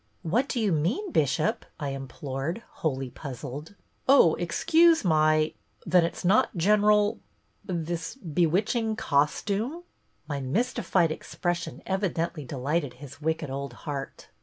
"' What do you mean. Bishop ?' I implored, wholly puzzled. "' Oh, excuse my — then it 's not general — this bewitching costume?' My mystified expression evidently delighted his wicked old heart.